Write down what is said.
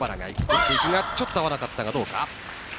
ちょっと合わなかったがどうか。